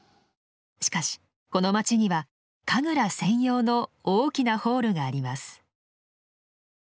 しかしこの街には神楽専用の大きなホールがあります。